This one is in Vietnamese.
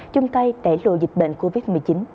chung tay đẩy lùi dịch bệnh covid một mươi chín